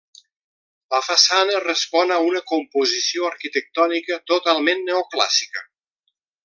La façana respon a una composició arquitectònica totalment neoclàssica.